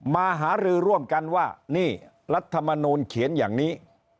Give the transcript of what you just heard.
หารือร่วมกันว่านี่รัฐมนูลเขียนอย่างนี้